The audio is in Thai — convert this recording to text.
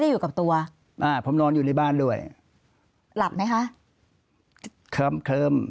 อยู่กับตัวอ่าผมนอนอยู่ในบ้านด้วยหลับไหมคะเคิมเคิม